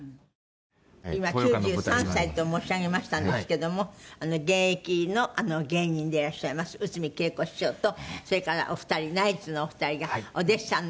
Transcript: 今９３歳と申し上げましたんですけども現役の芸人でいらっしゃいます内海桂子師匠とそれからお二人ナイツのお二人がお弟子さんの。